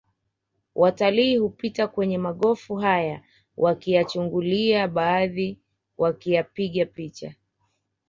Watalii hupita kwenye magofu haya wakiyachungulia baadhi wakiyapiga picha